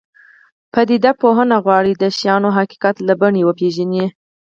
پدیده پوهنه غواړي د شیانو حقیقت له بڼې وپېژني.